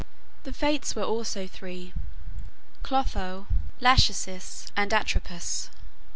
The Fates were also three Clotho, Lachesis, and Atropos.